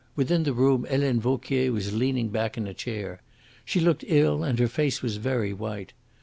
Within the room Helene Vauquier was leaning back in a chair. She looked ill, and her face was very white.